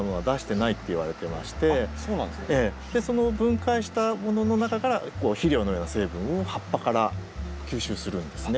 その分解したものの中から肥料のような成分を葉っぱから吸収するんですね。